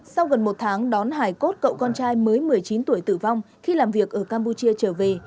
sau gần một tháng đón hải cốt cậu con trai mới một mươi chín tuổi tử vong khi làm việc ở campuchia trở về